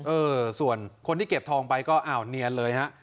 เออส่วนคนที่เก็บทองไปก็อ้าวเนียนเลยฮะ